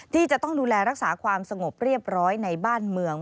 ที่จะต้องดูแลรักษาความสงบเรียบร้อยในบ้านเมือง